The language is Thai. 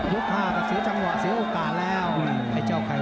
ยก๕จะเสียจังหวะเสียโอกาสที่เพชร